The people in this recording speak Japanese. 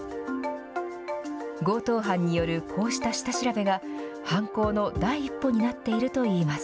強盗犯によるこうした下調べが、犯行の第一歩になっているといいます。